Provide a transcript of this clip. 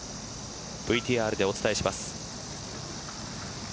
ＶＴＲでお伝えします。